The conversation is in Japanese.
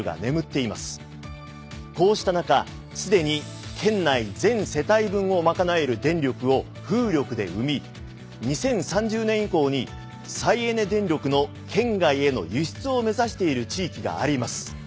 こうした中すでに県内全世帯分を賄える電力を風力で生み２０３０年以降に再エネ電力の県外への輸出を目指している地域があります。